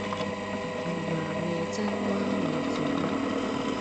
胡麻味噌鮭魚煮物